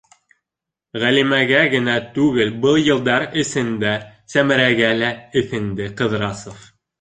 Ғәлимәгә генә түгел, был йылдар эсендә Сәмәрәгә лә эҫенде Ҡыҙрасов.